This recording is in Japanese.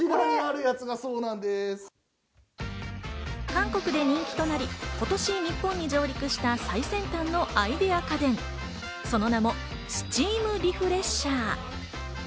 韓国で人気となり、今年日本に上陸した最先端のアイデア家電、その名もスチームリフレッシャー。